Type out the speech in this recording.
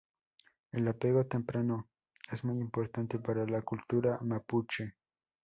El apego temprano es muy importante para la cultura mapuche.